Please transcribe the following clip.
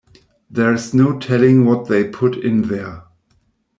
There's no telling what they put in there.